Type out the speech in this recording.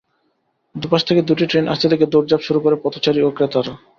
দুপাশ থেকে দুটি ট্রেন আসতে দেখে দৌড়ঝাঁপ শুরু করে পথচারী ও ক্রেতারা।